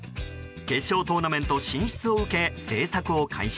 決勝トーナメント進出を受け制作を開始。